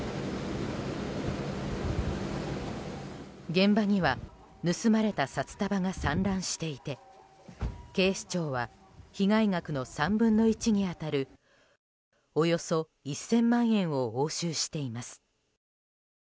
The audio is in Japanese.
現場には盗まれた札束が散乱していて警視庁は被害額の３分の１に当たるおよそ１０００万円を押収しています。